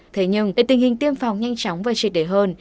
thế nhưng để tình hình tiêm phòng nhanh chóng và trị đề hơn